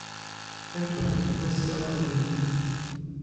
Antônio Maciel de Lima